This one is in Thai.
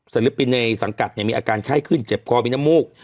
สริปิเนสังกัดเนี่ยมีอาการไข้ขึ้นเจ็บคอมีนมูก